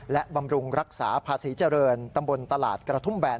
และบำรุงรักษาภาษีเจริญตำบลตลาดกระทุ่มแบน